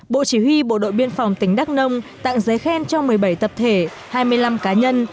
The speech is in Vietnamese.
bộ chỉ huy bộ đội biên phòng tỉnh đắk nông tặng giấy khen cho một mươi bảy tập thể hai mươi năm cá nhân